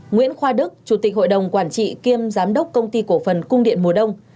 nguyễn khoa đức chủ tịch hội đồng quản trị kiêm giám đốc công ty cổ phần cung điện mùa đông